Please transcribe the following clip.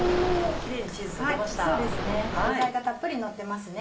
具材がたっぷりのってますね。